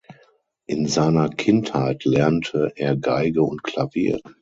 In seiner Kindheit lernte er Geige und Klavier.